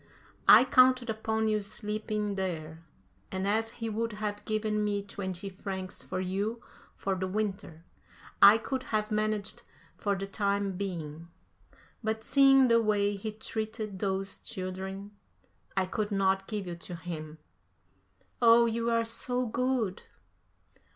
"I counted upon you sleeping there, and as he would have given me twenty francs for you for the winter, I could have managed for the time being. But, seeing the way he treated those children, I could not give you to him." "Oh, you are so good!"